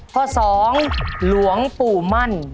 ข้อ๒หลวงปู่มั่น